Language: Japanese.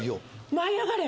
『舞いあがれ！』